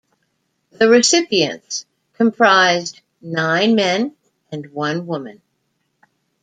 The recipients comprised nine men and one woman.